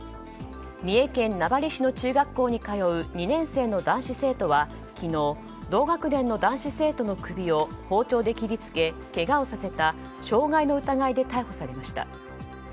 三重県名張市の中学校に通う２年生の男子生徒は昨日、同学年の男子生徒の首を包丁で切り付け、けがをさせた傷害の疑いで逮捕されました。